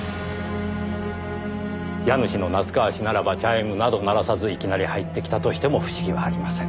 家主の夏河氏ならばチャイムなど鳴らさずいきなり入ってきたとしても不思議はありません。